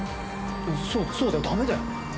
そうそうだよダメだよ。